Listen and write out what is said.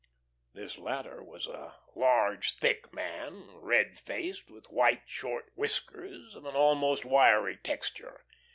This latter was a large, thick man, red faced, with white, short whiskers of an almost wiry texture.